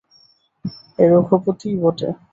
এ রঘুপতিই বটে।